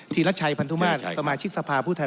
ฐีรัชชัยพันธุมาตย์สมาชิกทรัพย์ผู้ทัน